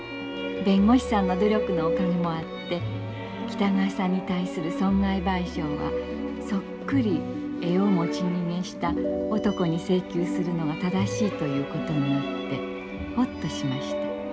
弁護士さんの努力のおかげもあって北川さんに対する損害賠償はそっくり絵を持ち逃げした男に請求するのが正しいということになってホッとしました。